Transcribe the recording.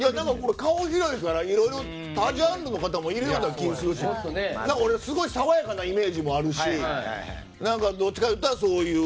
顔広いから他ジャンルの方もいるような気もするしすごい爽やかなイメージもあるしどっちかっていったらそういう。